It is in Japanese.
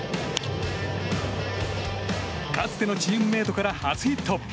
かつてのチームメートから初ヒット。